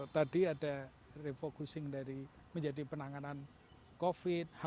tadi ada refocusing dari menjadi penanganan covid